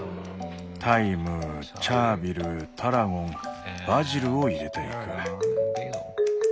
タイムチャービルタラゴンバジルを入れていく。